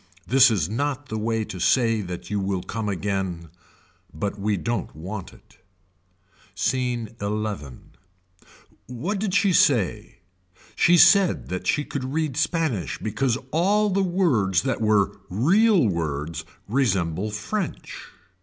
This is not the way to say that you will come again. But we don't want it. Scene XI. What did she say. She said that she could read Spanish because all the words that were real words resemble french.